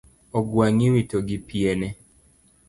Ogwangiwito gi piene